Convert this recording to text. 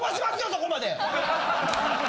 そこまで。